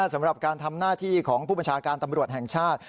สำหรับการทำหน้าที่ของผู้บัญชาการตำรวจแห่งชาติ